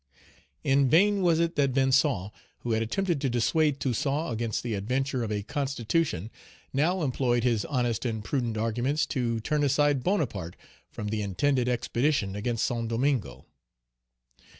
IN vain was it that Vincent, who had attempted to dissuade Toussaint against the adventure of a constitution, now employed his honest and prudent arguments to turn aside Bonaparte from the intended expedition against Saint Domingo.